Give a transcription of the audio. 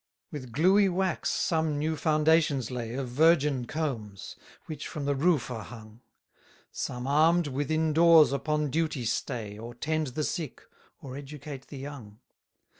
145 With gluey wax some new foundations lay Of virgin combs, which from the roof are hung: Some arm'd, within doors upon duty stay, Or tend the sick, or educate the young.